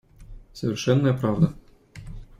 Совершенная правда.